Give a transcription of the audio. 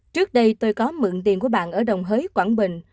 trước đây tôi có mượn tiền của bạn ở đồng hới quảng bình